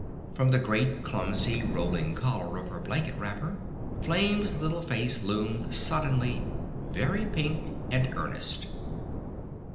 From the great clumsy rolling collar of her blanket wrapper Flame's little face loomed suddenly very pink and earnest.